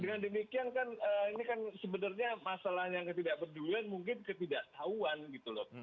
dengan demikian kan ini kan sebenarnya masalah yang ketidakpedulian mungkin ketidaktahuan gitu loh